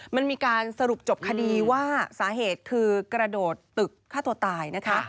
มันมีการสรุปจบคดีว่าสาเหตุคือกระโดดตึกฆ่าตัวตายนะคะ